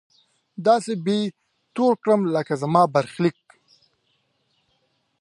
داسې به يې تور کړم لکه زما برخليک